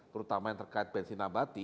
terutama yang terkait bensin abati